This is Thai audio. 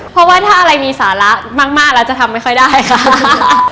เพราะว่าถ้าอะไรมีสาระมากแล้วจะทำไม่ค่อยได้ค่ะ